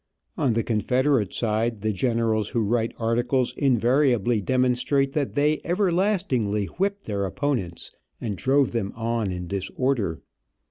On the Confederate side, the generals who write articles invariably demonstrate that they everlastingly whipped their opponents, and drove them on in disorder.